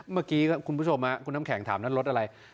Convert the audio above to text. เมื่อกี้คุณผู้ชมคุณน้ำแข็งถามนั่นรถอะไร